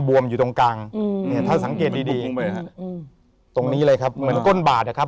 บวมอยู่ตรงกลางถ้าสังเกตดีตรงนี้เลยครับเหมือนก้นบาดครับ